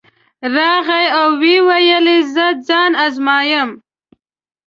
راغی او ویې ویل زه ځان ازمایم.